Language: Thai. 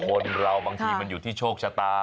คนเราบางทีมันอยู่ที่โชคชะตา